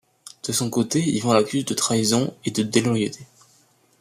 De son côté, Ivan l'accuse de trahison et de déloyauté.